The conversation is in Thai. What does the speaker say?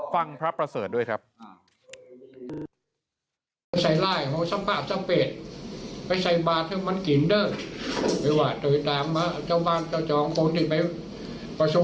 ฟังพระประเสริฐด้วยครับ